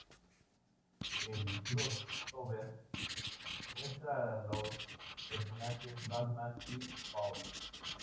El crossover muestra a los personajes Batman y Spawn.